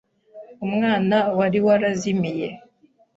umwana wari warazimiye.